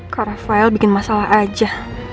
karena rafael bikin masalah aja